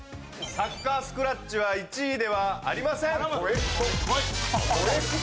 サッカースクラッチは１位ではありません。